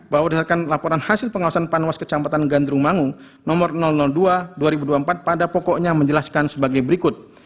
bahwa berdasarkan laporan hasil pengawasan panwas kecamatan gandrungmangung nomor dua dua ribu dua puluh empat pada pokoknya menjelaskan sebagai berikut